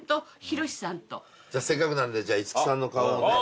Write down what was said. じゃあせっかくなんでじゃあ五木さんの顔をね。